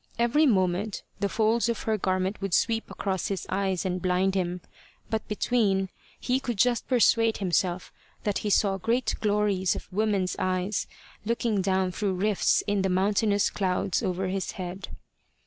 Every moment the folds of her garment would sweep across his eyes and blind him, but between, he could just persuade himself that he saw great glories of woman's eyes looking down through rifts in the mountainous clouds over his head.